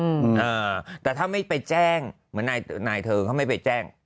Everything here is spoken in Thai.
อือแต่ถ้าไม่ไปแจ้งเหมือนนายเธอเขาไม่ไปแจ้ง